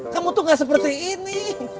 kamu tuh gak seperti ini